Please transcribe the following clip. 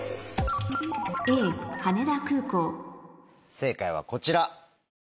正解はこちら。